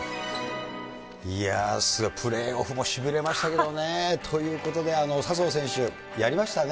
いやぁ、すごいプレーオフもしびれましたけどね、ということで、笹生選手、やりましたね。